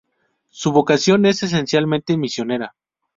Su vocación es esencialmente misionera.